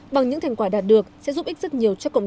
bằng những thành quả đạt được sẽ giúp ích rất nhiều